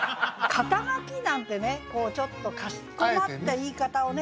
「肩書き」なんてねこうちょっとかしこまった言い方をね